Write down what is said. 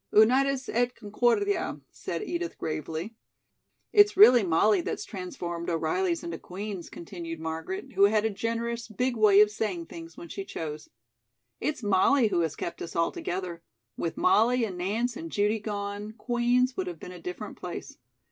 "Unitus et concordia," said Edith gravely. "It's really Molly that's transformed O'Reilly's into Queen's," continued Margaret, who had a generous, big way of saying things when she chose. "It's Molly who has kept us all together. With Molly and Nance and Judy gone, Queen's would have been a different place."